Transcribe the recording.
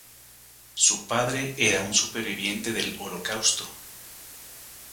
Su padre era un superviviente del Holocausto.